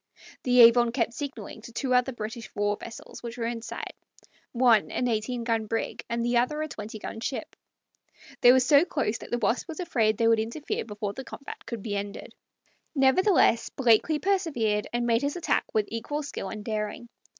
The Avon kept signaling to two other British war vessels which were in sight one an eighteen gun brig and the other a twenty gun ship; they were so close that the Wasp was afraid they would interfere before the combat could be ended. Nevertheless, Blakeley persevered, and made his attack with equal skill and daring.